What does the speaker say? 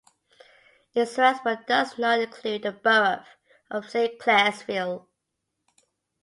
It surrounds but does not include the borough of Saint Clairsville.